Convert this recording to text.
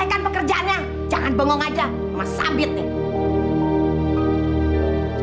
iya syukur syukur tuh anak masih hidup